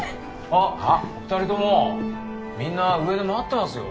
あ２人ともみんな上で待ってますよ。